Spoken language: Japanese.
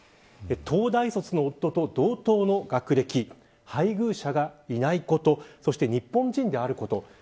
東大卒の夫と同等の学歴配偶者がいないことそして日本人であること。